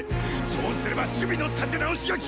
そうすれば守備の立て直しがきく！